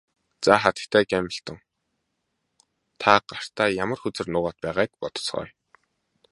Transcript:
За хатагтай Гамильтон та гартаа ямар хөзөр нуугаад байгааг бодоцгооё.